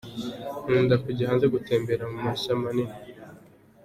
Nkunda kujya hanze gutembera mu mashya manini.